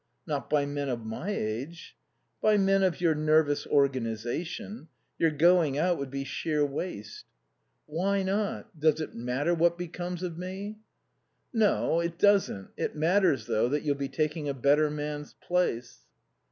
"Not by men of my age." "By men of your nervous organization. Your going out would be sheer waste." "Why not?" Does it matter what becomes of me?" "No. It doesn't. It matters, though, that you'll be taking a better man's place."